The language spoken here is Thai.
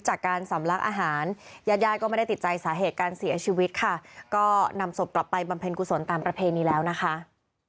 น่าสะพัยมีแต่คนเสียชีวิตไปแล้วทั้งหมดหลังที่เขาคุยด้วย